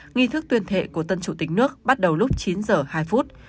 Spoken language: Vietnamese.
nghi thức tuyên thệ của tân chủ tịch nước bắt đầu lúc chín giờ hai phút